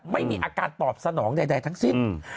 ไม่มีอาการตอบสนองใดทั้งสิ้น